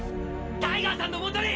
タイガーさんの元に！！